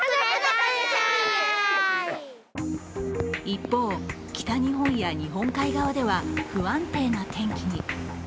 一方、北日本や日本海側では不安定な天気に。